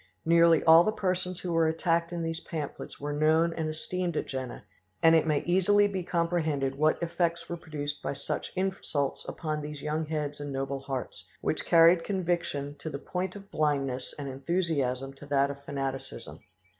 Nearly all the persons who were attacked in these pamphlets were known and esteemed at Jena; and it may easily be comprehended what effects were produced by such insults upon these young heads and noble hearts, which carried conviction to the paint of blindness and enthusiasm to that of fanaticism.